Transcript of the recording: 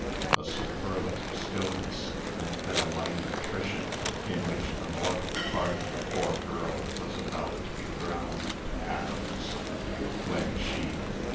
a superlative stillness ... and then a mighty attrition, in which the mortal part of the poor girl was about to be ground to atoms, when she